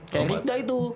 kayak rita itu